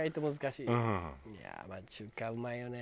いやあ町中華はうまいよね。